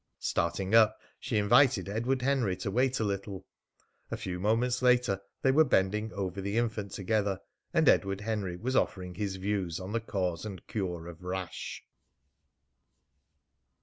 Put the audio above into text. Starting up, she invited Edward Henry to wait a little. A few moments later they were bending over the infant together, and Edward Henry was offering his views on the cause and cure of rash.